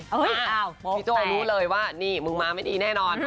พี่โจ้รู้เลยว่านี่มึงมาไม่ดีแน่นอน